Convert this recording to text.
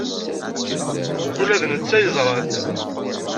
Ula d netta yeẓra-t.